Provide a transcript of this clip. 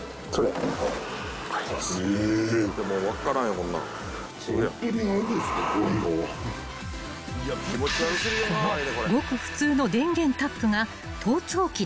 ［このごく普通の電源タップが盗聴器だという］